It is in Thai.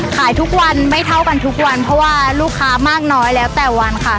ขายทุกวันไม่เท่ากันทุกวันเพราะว่าลูกค้ามากน้อยแล้วแต่วันค่ะ